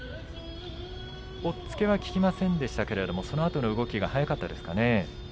押っつけは効きませんでしたがそのあとの動きが速かったですかね。